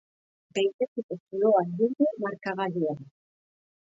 Behin betiko zuloa egin du markagailuan.